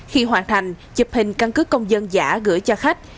khi hoàn thành chụp hình căn cứ công dân giả gửi cho khách